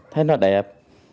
thấy nó đẹp